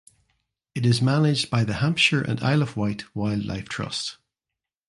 It is managed by the Hampshire and Isle of Wight Wildlife Trust.